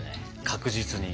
確実に。